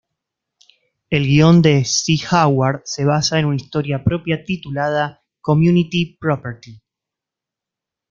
El guion de Cy Howard se basa en una historia propia titulada "Community Property".